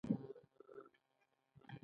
موږ په دوبۍ نندارتون کې ګډون کوو؟